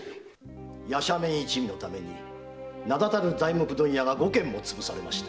夜叉面一味のために五軒も名だたる材木問屋が潰されました。